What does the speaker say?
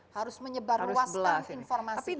harus menyebar ruas informasi itu